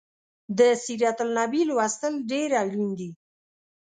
د سیرت النبي لوستل ډیر اړین دي